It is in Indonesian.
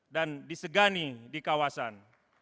dan disegani di kawasan